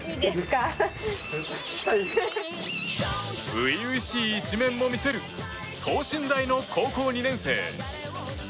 初々しい一面も見せる等身大の高校２年生。